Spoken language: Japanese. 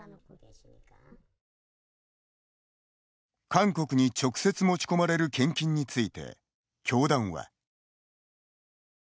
韓国に直接持ち込まれる献金について、教団は。